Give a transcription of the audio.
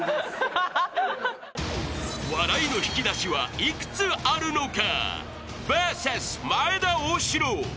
［笑いの引き出しは幾つあるのか？］